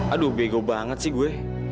aduh bego banget sih gue